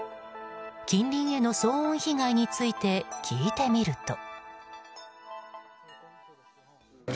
近隣への騒音被害について聞いてみると。